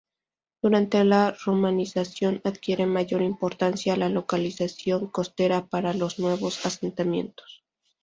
Durante la romanización adquiere mayor importancia la localización costera para los nuevos asentamientos.